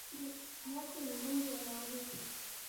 Nyasi ni mingi eneo hili